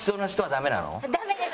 ダメです。